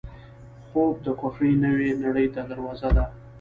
خوب د خوښۍ نوې نړۍ ته دروازه ده